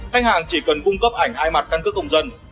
khách hàng chỉ cần cung cấp ảnh hai mặt căn cước công dân